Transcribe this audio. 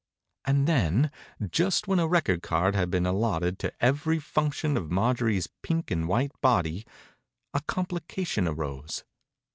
And then, just when a record card had been allotted to every function of Marjorie's pink and white body, a complication arose.